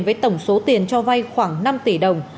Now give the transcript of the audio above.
với tổng số tiền cho vay khoảng năm tỷ đồng